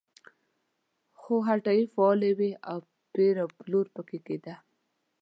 خو هټۍ فعالې وې او پېر و پلور پکې کېده.